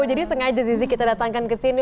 jadi sengaja zizi kita datangkan kesini